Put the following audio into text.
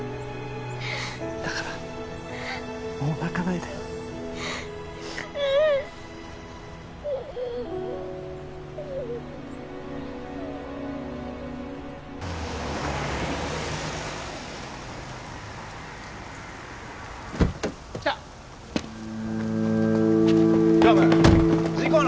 だからもう泣かないで。来た！常務！